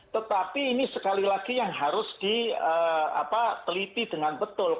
tetapi ini sekali lagi yang harus diteliti dengan betul